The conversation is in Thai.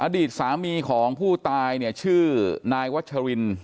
อดีตสามีของผู้ตายเนี่ยชื่อนายวัชริน